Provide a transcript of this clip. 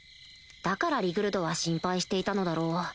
だからリグルドは心配していたのだろう